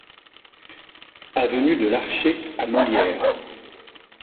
Avenue de Larché à Molières